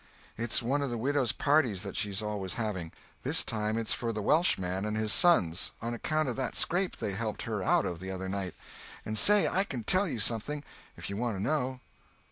"It's one of the widow's parties that she's always having. This time it's for the Welshman and his sons, on account of that scrape they helped her out of the other night. And say—I can tell you something, if you want to know."